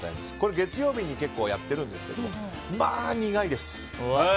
月曜日に結構やってるんですけどまあ、苦いです。